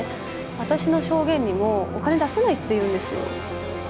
私の証言にもお金出せないって言うんですよ。